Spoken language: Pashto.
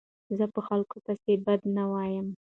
زه په خلکو پيسي بد نه وایم.